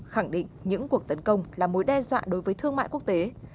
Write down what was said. khẳng định những cuộc tấn công là mối đe dọa đối với thương mại quốc tế